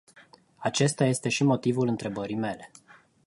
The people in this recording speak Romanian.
Acesta este și motivul întrebării mele.